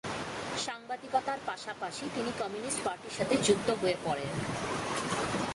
সাংবাদিকতার পাশাপাশি তিনি কমিউনিস্ট পার্টির সাথে যুক্ত হয়ে পড়েন।